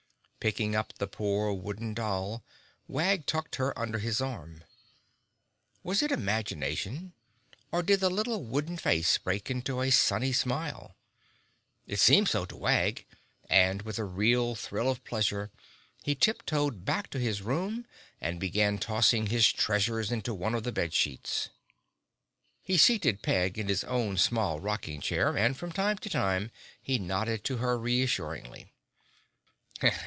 Picking up the poor wooden doll Wag tucked her under his arm. Was it imagination, or did the little wooden face break into a sunny smile? It seemed so to Wag and, with a real thrill of pleasure, he tip toed back to his room and began tossing his treasures into one of the bed sheets. He seated Peg in his own small rocking chair and from time to time he nodded to her reassuringly.